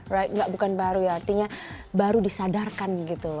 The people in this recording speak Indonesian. right enggak bukan baru ya artinya baru disadarkan gitu